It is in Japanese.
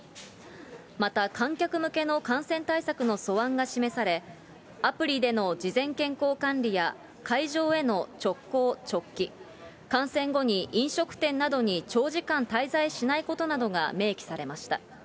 また、観客向けの感染対策の素案が示され、アプリでの事前健康管理や、会場への直行直帰、観戦後に飲食店などに長時間、滞在しないことなどが明記されました。